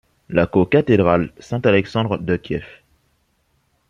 La cocathédrale Saint-Alexandre de Kiev.